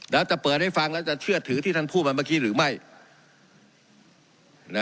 แล้วจะเปิดให้ฟังแล้วจะเชื่อถือที่ท่านพูดมาเมื่อกี้หรือไม่